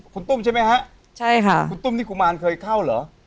คุณตุ้มใช่ไหมฮะใช่ค่ะคุณตุ้มนี่กุมารเคยเข้าเหรอ